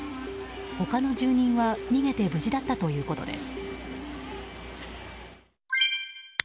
他の住人は逃げて無事だったということです。